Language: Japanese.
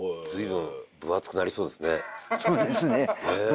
分厚くなりそうですね